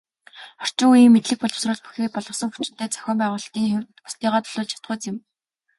Орчин үеийн мэдлэг боловсрол бүхий боловсон хүчинтэй, зохион байгуулалтын хувьд бусдыгаа төлөөлж чадахуйц юм.